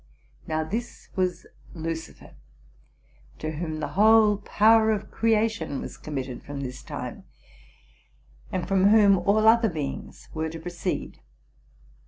Now, this was Lucifer, to whom the whole power of creation was committed from this time, and from whom all other be ings were to proceed.